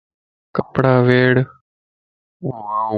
ڪپڙا ويڙھ